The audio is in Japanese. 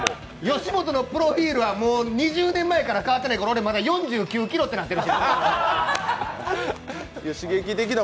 吉本のプロフィールは２０年前から変わってない語呂でまだ４９ｋｇとなってる。